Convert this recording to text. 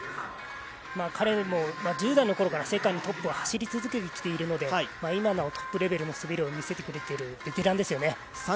彼も１０代のころから、世界のトップを走り続けているので今もトップレベルの滑りを見せてくれているベテランですよね。